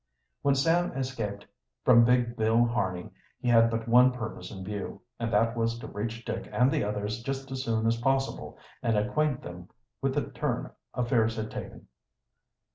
When Sam escaped from big Bill Harney he had but one purpose in view, and that was to reach Dick and the others just as soon as possible and acquaint them with the turn affairs had taken.